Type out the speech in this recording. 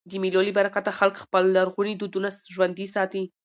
د مېلو له برکته خلک خپل لرغوني دودونه ژوندي ساتي.